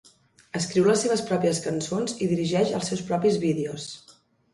Escriu les seves pròpies cançons i dirigeix els seus propis vídeos.